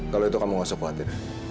kalau itu kamu gak usah khawatir